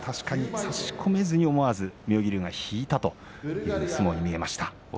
差し込めずに妙義龍が引いたという相撲に見えました。